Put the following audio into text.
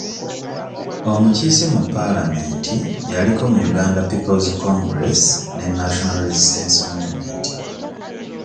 Omukiise mu palamenti yaliko mu Uganda people's congress ne National resistance movement.